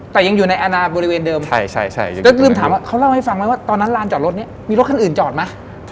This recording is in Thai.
แต่ยังอยู่ในอนาบริเวณเดิมแล้วลืมถามว่าเขาเล่าให้ฟังไหมว่าตอนนั้นลานจอดรถนี้มีรถคันอื่นจอดไหม